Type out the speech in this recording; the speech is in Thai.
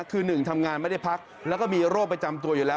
คือหนึ่งทำงานไม่ได้พักแล้วก็มีโรคประจำตัวอยู่แล้ว